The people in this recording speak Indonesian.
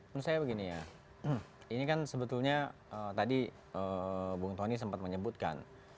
menurut saya begini ya ini kan sebetulnya tadi bung tony sempat menyebutkan